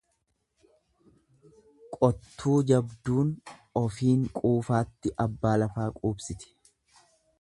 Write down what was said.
Qottuu jabduun ofiin quufaatti abbaa lafaa quubsiti.